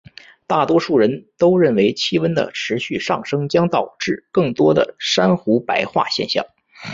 大多数人都认为气温的持续上升将导致更多的珊瑚白化现象。